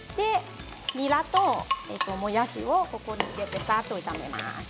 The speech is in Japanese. にらと、もやしをここに入れてさっと炒めます。